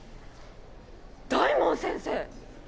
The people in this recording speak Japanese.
大門先生！？